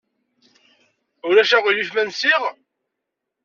Ulac aɣilif ma nsiɣ?